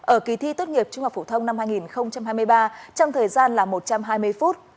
ở kỳ thi tốt nghiệp trung học phổ thông năm hai nghìn hai mươi ba trong thời gian là một trăm hai mươi phút